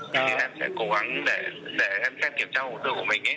thì em sẽ cố gắng để em xem kiểm tra hồ sơ của mình ấy